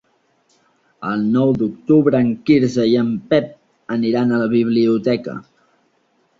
El nou d'octubre en Quirze i en Pep aniran a la biblioteca.